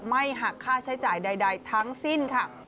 ไม่หักค่าใช้จ่ายใดทั้งสิ้นค่ะ